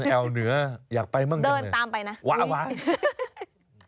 แอวเหนืออยากไปมั่งยังไงเดินตามไปนะว้าวว้าว